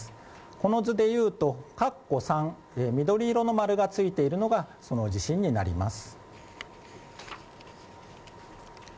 この図でいうと、緑色の丸がついているのがその地震になります。